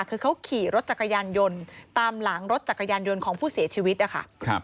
คือเขาขี่รถจักรยานยนต์ตามหลังรถจักรยานยนต์ของผู้เสียชีวิตนะคะ